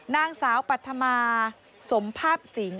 นางสาวปัธมาสมภาพสิง